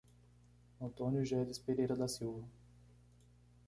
Antônio Geles Pereira da Silva